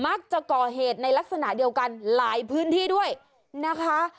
มักจะก่อเหตุในลักษณะเดียวกันหลายพื้นที่ด้วยนะคะ